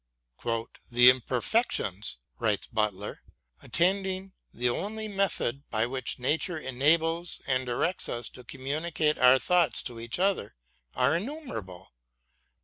" The imperfections," writes Butler, attending the only method by which Nature enables and directs us to communicate our thoughts to each other are innumerable.